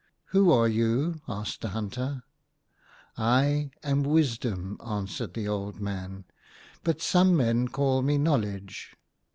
"Who are you ?" asked the hunter. " I am Wisdom," answered the old man ;" but some men called me Know ledge.